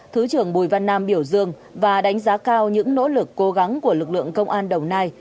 thứ trưởng bùi văn nam biểu dương và đánh giá cao những nỗ lực cố gắng của lực lượng công an đồng nai